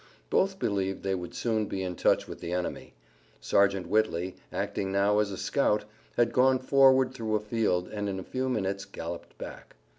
Both believed they would soon be in touch with the enemy. Sergeant Whitley, acting now as a scout, had gone forward through a field and in a few minutes galloped back.